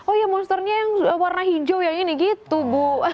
oh ya monsternya yang warna hijau yang ini gitu bu